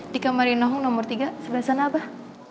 di kamar yang nomor tiga sebelah sana abah